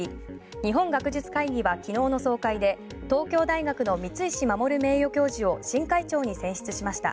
日本学術会議は昨日の総会で東京大学の光石衛名誉教授を新会長に選出しました。